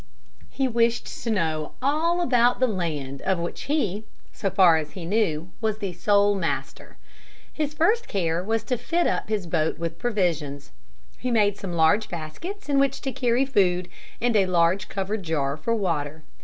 He wished to know all about the land of which he, so far as he knew, was the sole master. His first care was to fit up his boat with provisions. He made some large baskets in which to carry food and a large covered jar for water.